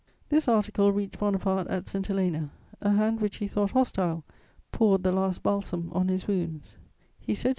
This article reached Bonaparte at St. Helena; a hand which he thought hostile poured the last balsam on his wounds; he said to M.